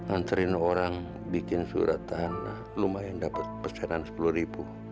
anterin orang bikin surat tanah lumayan dapet pesanan sepuluh ribu